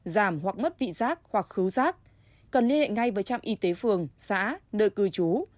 giảm hoặc mất vị giác hoặc cứu rác cần liên hệ ngay với trạm y tế phường xã nơi cư trú